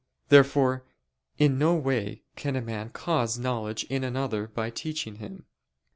Therefore in no way can a man cause knowledge in another by teaching him.